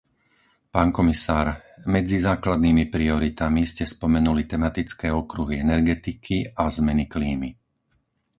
Pán komisár, medzi základnými prioritami ste spomenuli tematické okruhy energetiky a zmeny klímy.